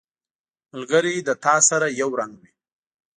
ملګری له تا سره یو رنګ وي